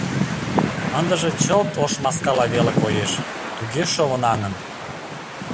Ындыже чылт ош маскала веле коеш, туге шовынаҥын.